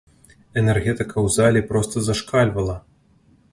Энергетыка ў залі проста зашкальвала.